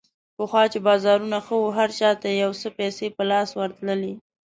پخوا چې بازارونه ښه وو، هر چا ته یو څه پیسې په لاس ورتللې.